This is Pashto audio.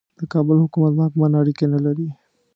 د کابل حکومت واکمن اړیکې نه لري.